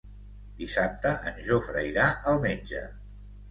Dissabte en Jofre irà al metge.